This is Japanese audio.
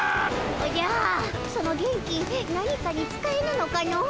おじゃその元気何かにつかえぬのかの？